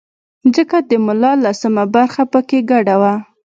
ځکه د ملا لسمه برخه په کې ګډه وه.